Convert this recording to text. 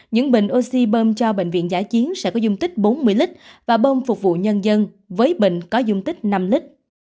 những bình oxy bơm cho bệnh viện giã chiến sẽ có dung tích bốn mươi lít và bơm phục vụ nhân dân với bệnh có dung tích năm lít